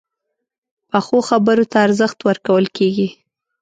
پخو خبرو ته ارزښت ورکول کېږي